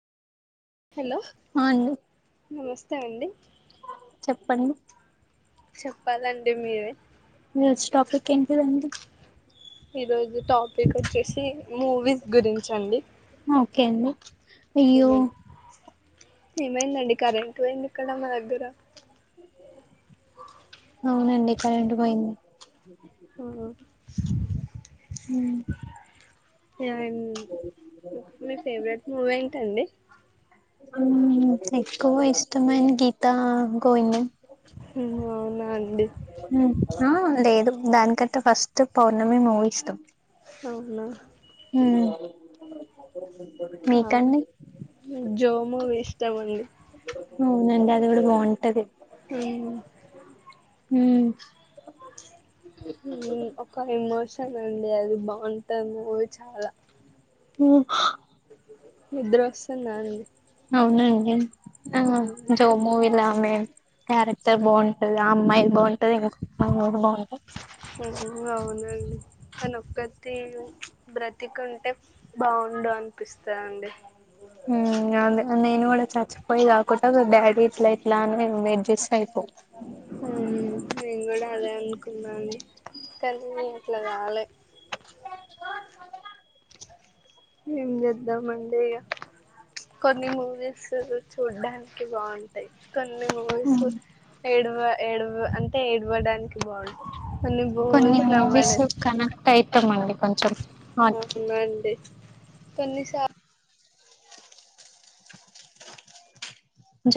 hello ఆండీ నమస్తే అండి చెప్పండి చెప్పాలండి మీరే ఈరోజు టోపీక్ ఎంటిది అండి ఈ రోజు టాపిక్ వచ్చేసి మూవీస్ గురించండి ఓకే అండి అయ్యో ఏమైందండి కరెంట్ పోయింది ఇక్కడ మా దగ్గర అవునండి కరెంటు పోయింది హ్మ్ మీ ఫేవరెట్ మూవీ ఏంటండి ఎక్కువ ఇష్టమైన గీత గోవిందం అవునా అండి ఆ లేదు దానికట్టే ఫస్ట్ పౌర్ణమి మూవీ ఇష్టాం అవునా అ అ జో్ మూవీ ఇష్టమండి నండి అది ఇ కూడా బోన్ ఏమ్ ఊమ్ ఊమ్ ఒక ఎమోషనుంది అది బాంటది మూవి చాలా ఊమ్ నిద్రొస్తుందాండి ఔనండి ఆ జో మూవీలొ ఆమె క్యారెక్టర్ బాంటది ఆ అమ్మాయ్ బాంటది [unintelligible] ఉ ఊమ్ ఔనండి తనొక్కత్తి ప్చ్ బ్రతికుంటె బాగుండు అన్పిస్తదండి ఊమ్ అదె నేన్ గూడా చచ్చిపోయి గాకుండ బ్యాడ్ గిట్ల ఇట్లా అన్ నేన్ వెయ్ట్జేస్ ఊమ్ నేన్ గూడ అదే అన్కున్నాండి కనీ అట్ల గాలె ఏం జేద్దామండి ఇగ చ్ కొన్ని మూవీస్స్ చూడ్డాన్కి బాంటయ్ కొన్ని మూవీస్స్ ఏడ్వ ఏడ్వ్ అంటె ఏడ్వడాన్కి కొన్ని మూవీస్స్ నవ్వడానికి కనెక్టైతమండి కొంచెం ఆక్కె కొన్నిసా